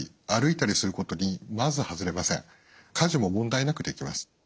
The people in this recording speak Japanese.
家事も問題なくできます。